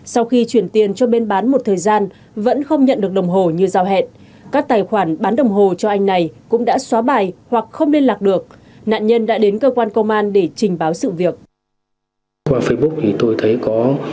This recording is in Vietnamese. sau khi chuyển tiền cho bên bán một thời gian vẫn không nhận được đồng hồ như giao hẹn các tài khoản bán đồng hồ cho anh này cũng đã xóa bài hoặc không liên lạc được nạn nhân đã đến cơ quan công an để trình báo sự việc